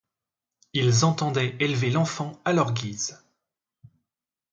Ils entendaient élever l'enfant à leur guise.